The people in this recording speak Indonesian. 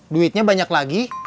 duitnya banyak lagi